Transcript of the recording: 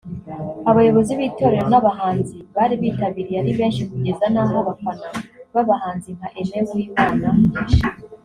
Abayobozi b’itorero n’abahanzi bari bitabiriye ari benshi kugeza n’aho abafana b’abahanzi nka Aimé Uwimana